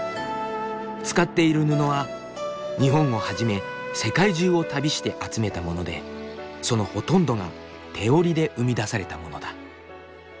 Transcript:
使っている布は日本をはじめ世界中を旅して集めたものでそのほとんどが手織りで生み出されたものだ。